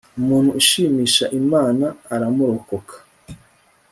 umuntu ushimisha imana aramurokoka,